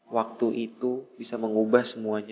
waktu itu bisa mengubah semuanya